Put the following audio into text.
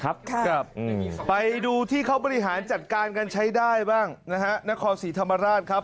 ครับครับไปดูที่เขาบริหารจัดการกันใช้ได้บ้างนะฮะนครศรีธรรมราชครับ